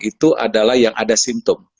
itu adalah yang ada simptom